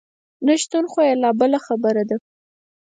نشتون خو یې لا بله خبره ده.